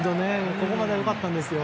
ここまでは良かったんですよ。